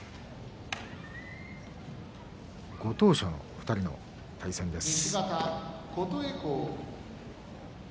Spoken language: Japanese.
ご当所の２人の対戦です。